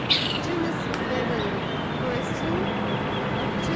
To Miss Beverley. BRISTOL, Oct.